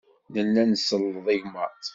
Nella nselleḍ igmaḍ.